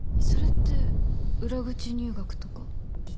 それって裏口入学とか？